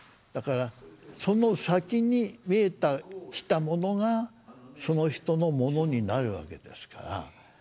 だからその先に見えてきたものがその人のものになるわけですから。